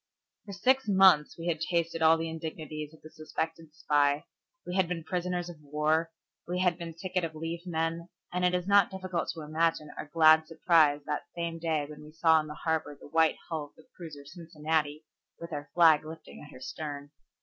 For six months we had tasted all the indignities of the suspected spy, we had been prisoners of war, we had been ticket of leave men, and it is not difficult to imagine our glad surprise that same day when we saw in the harbor the white hull of the cruiser Cincinnati with our flag lifting at her stern.